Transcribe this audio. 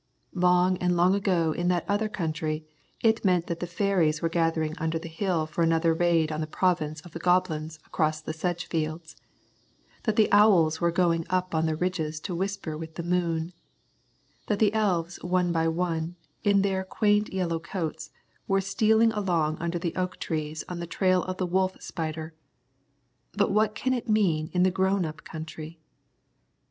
Long and long ago in that other country it meant that the fairies were gathering under the hill for another raid on the province of the goblins across the sedge fields; that the owls were going up on the ridges to whisper with the moon; that the elves one by one, in their quaint yellow coats, were stealing along under the oak trees on the trail of the wolf spider. But what can it mean in the grown up country?